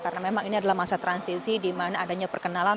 karena memang ini adalah masa transisi di mana adanya perkenalan